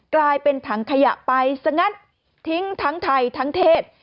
กลายเป็นถังขยะไปสงัดทิ้งทั้งไทยทั้งเทศ